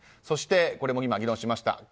そして、これも議論しました